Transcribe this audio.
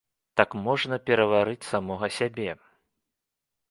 Так можна пераварыць самога сябе.